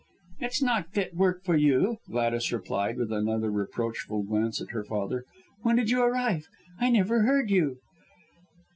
"It's not fit work for you," Gladys replied with another reproachful glance at her father. "When did you arrive, I never heard you?"